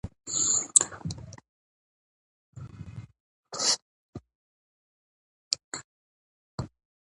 ژمی په موسم کې ماشومان باید ګرم وساتي